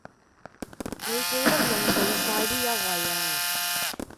你記得用盡晒啲優惠呀